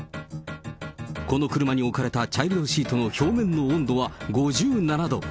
この車に置かれたチャイルドシートの表面の温度は５７度。